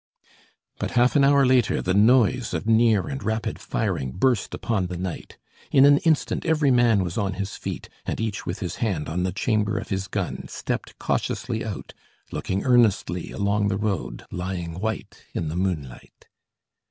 But half an hour later the noise of near and rapid firing burst upon the night. In an instant every man was on his feet, and each with his hand on the chamber of his gun, stepped cautiously out, looking earnestly along the road, lying white in the moonlight.